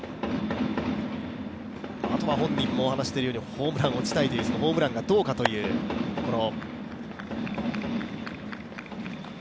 あとは本人も話しているように、ホームランと打ちたいというそのホームランがどうかというところ。